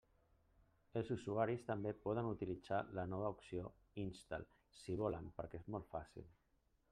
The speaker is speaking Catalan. Els usuaris també poden utilitzar la nova opció “instal” si volen, perquè és molt fàcil.